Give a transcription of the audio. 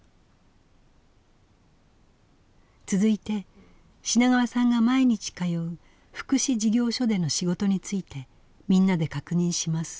続いて品川さんが毎日通う福祉事業所での仕事についてみんなで確認します。